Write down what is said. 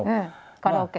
カラオケ？